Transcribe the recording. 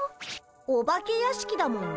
お化け屋敷だもんね。